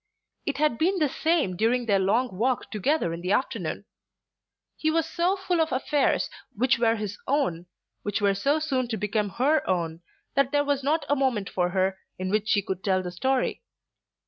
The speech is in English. It had been the same during their long walk together in the afternoon. He was so full of affairs which were his own, which were so soon to become her own, that there was not a moment for her in which she could tell the story.